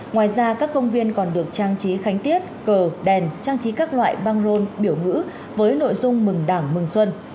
ngoài ra các công viên còn được trang trí khánh tiết cờ đèn trang trí các loại băng rôn biểu ngữ với nội dung mừng đảng mừng xuân